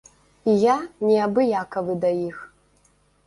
І я неабыякавы да іх.